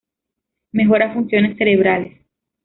Mejora funciones cerebrales.